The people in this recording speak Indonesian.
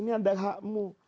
ini adalah hakmu